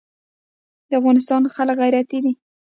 د افغانستان خلک غیرتي دي